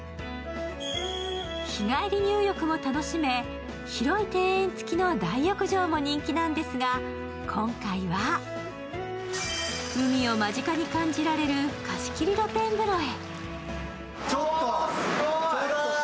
日帰り入浴も楽しめ、広い庭園付きの大浴場も人気なんですが、今回は、海を間近に感じられる貸切露天風呂へ。